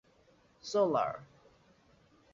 Solar.